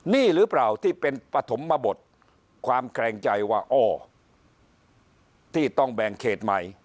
นี่หรือเปล่าที่เป็นปฐมบทความแคลงใจว่าอ้อที่ต้องแบ่งเขตใหม่